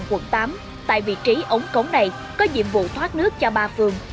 tại địa bàn quận tám tại vị trí ống cống này có nhiệm vụ thoát nước cho ba phường